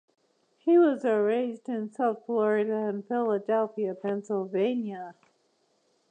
He was raised in South Florida and Philadelphia, Pennsylvania.